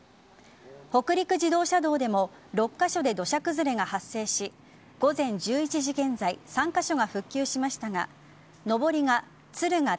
北陸自動車道でも６カ所で土砂崩れが発生し午前１１時現在３カ所が復旧しましたが上りが敦賀